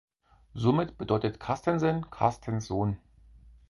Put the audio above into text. Somit bedeutet Carstensen "Carstens Sohn".